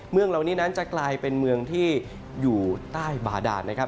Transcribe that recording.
เมืองเหล่านี้นั้นจะกลายเป็นเมืองที่อยู่ใต้บาดานนะครับ